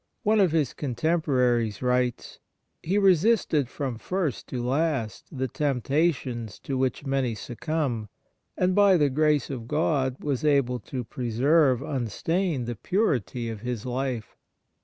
One of his contemporaries whites: * He resisted from first to last the tempta tions to w^hich many succumb, and, by the grace of God, was able to preserve un stained the purity of his life.'